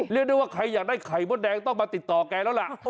เรียกได้ว่าใครอยากได้ไข่มดแดงต้องมาติดต่อแกแล้วล่ะ